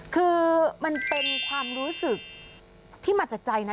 คือมันเป็นความรู้สึกที่มาจากใจนะ